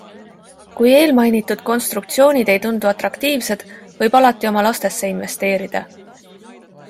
Kui eelmainitud konstruktsioonid ei tundu atraktiivsed, võib alati oma lastesse investeerida.